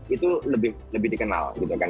itu lebih dikenal gitu kan